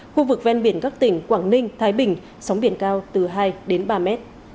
khu vực ven biển các tỉnh quảng ninh thái bình sóng biển cao từ hai đến ba mét